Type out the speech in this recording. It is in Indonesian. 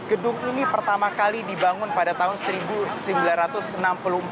gedung ini pertama kali dibangun pada tahun seribu sembilan ratus enam puluh empat